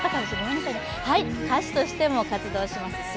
歌手としても活動します